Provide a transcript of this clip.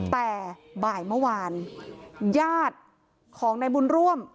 แต่บ่ายเมื่อวานญาติของนายบุญร่วม